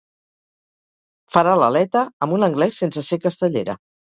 Farà l'aleta amb un anglès sense ser castellera.